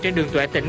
trên đường tuệ tỉnh